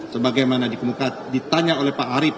sebagaimana ditanya oleh pak arief